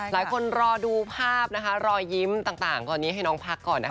รอดูภาพนะคะรอยยิ้มต่างตอนนี้ให้น้องพักก่อนนะคะ